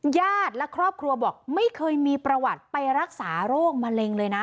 ญาติและครอบครัวบอกไม่เคยมีประวัติไปรักษาโรคมะเร็งเลยนะ